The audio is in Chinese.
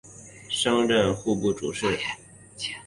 升任户部主事。